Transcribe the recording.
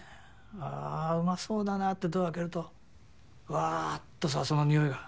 あぁうまそうだなってドア開けるとわっとさその匂いが。